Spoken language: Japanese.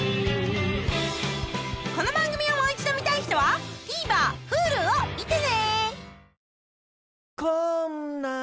この番組をもう一度見たい人はＴＶｅｒＨｕｌｕを見てね！